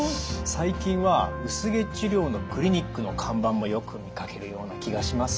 最近は薄毛治療のクリニックの看板もよく見かけるような気がします。